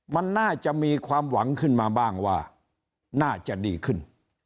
มันน่าจะมีความหวังขึ้นมาบ้างว่าน่าจะดีขึ้น